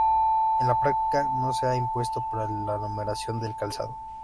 En la práctica no se ha impuesto para la numeración del calzado.